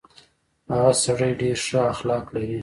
هغه سړی ډېر شه اخلاق لري.